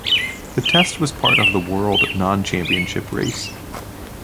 The test was a part of the world non-championship race.